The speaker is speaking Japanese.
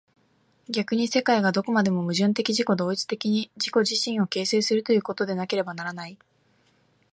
逆に世界がどこまでも矛盾的自己同一的に自己自身を形成するということでなければならない。